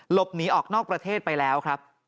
หลบหนีออกนอกประเทศไปแล้วครับ